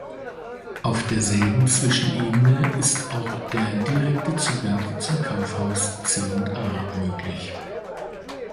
Auf derselben Zwischenebene ist auch der direkte Zugang zum Kaufhaus C&A möglich.